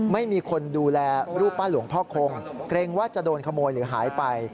ไม่มีคนดูแลรูปปั้นหลวงพ่อคงเกรงว่าจะโดนขโมยหรือหายไป